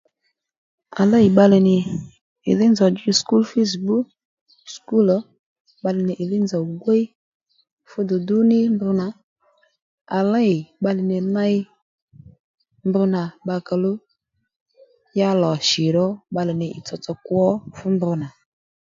À lêy bbalè nì ìdhí nzòw djú sùkúl fǐz bbu sùkúl ò bbalè nì ìdhí nzòw gwíy fú dùdú ní mb nà à lêy bbalè nì ney mb nà bbakǎ luw ya lò shì ró bbalè nì ì tsotso kwo fú mb nà